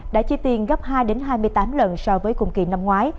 đã chi tiền gấp hai hai mươi tám lần so với cùng kỳ năm ngoái